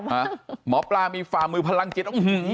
หมอปลามีฝ่ามือพลังจิต